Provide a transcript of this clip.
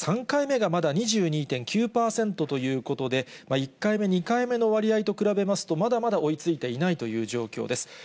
３回目がまだ２２．９％ということで、１回目、２回目の割合と比べますと、まだまだ追いついていないという状況です。